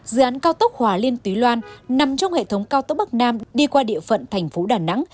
dự án cao tốc hòa liên tứ loan nằm trong hệ thống cao tốc bắc nam đi qua địa phận thành phố đà nẵng